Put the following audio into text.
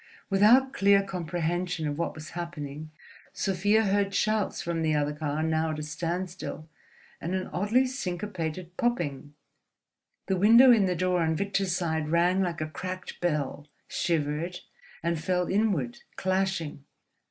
Without clear comprehension of what was happening, Sofia heard shouts from the other car, now at a standstill, and an oddly syncopated popping. The window in the door on Victor's side rang like a cracked bell, shivered, and fell inward, clashing.